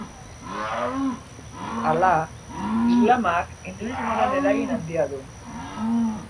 Hala, islamak hinduismoaren eragin handia du.